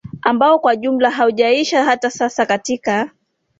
ambao kwa jumla haujaisha hata sasa Katika